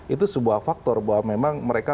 itu sebuah faktor bahwa memang mereka